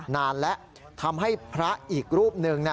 นานแล้วทำให้พระอีกรูปหนึ่ง